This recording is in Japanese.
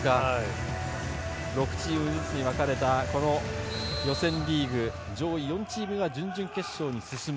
６チームずつに分かれた予選リーグ上位４チームが準々決勝に進む。